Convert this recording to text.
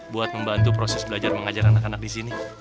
buat membantu proses belajar mengajar anak dua disini